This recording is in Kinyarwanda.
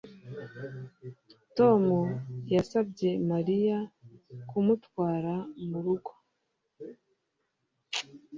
Tom yasabye Mariya kumutwara murugo